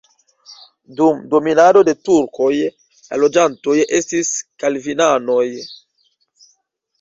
Dum dominado de turkoj la loĝantoj estis kalvinanoj.